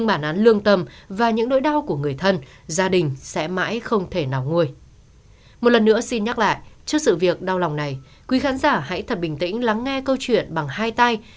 một lần nữa xin nhắc lại trước sự việc đau lòng này quý khán giả hãy thật bình tĩnh lắng nghe câu chuyện bằng hai tay